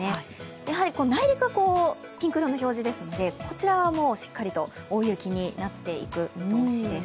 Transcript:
やはり内陸はピンク色の表示ですんでこちらはしっかりと大雪になっていく見通しです。